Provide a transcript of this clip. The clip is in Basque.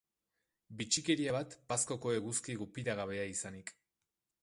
Bitxikeria bat Pazkoko eguzki gupidagabea izanik.